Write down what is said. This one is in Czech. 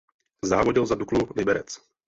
Závodil za Duklu Liberec.